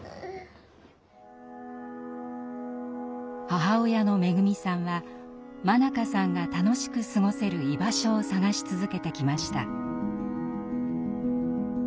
母親の恵さんは愛華さんが楽しく過ごせる居場所を探し続けてきました。